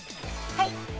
はい。